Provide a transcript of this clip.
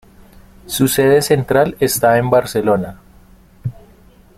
Su sede central está en Barcelona.